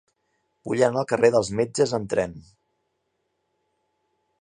Vull anar al carrer dels Metges amb tren.